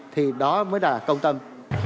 thì đó mới là công tâm